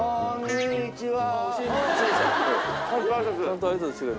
こんにちは！